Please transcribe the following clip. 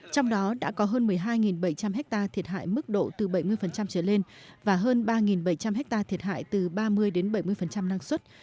trong đó đã có hơn một mươi hai bảy trăm linh hectare thiệt hại mức độ từ bảy mươi trở lên và hơn ba bảy trăm linh hectare thiệt hại từ ba mươi đến bảy mươi năng suất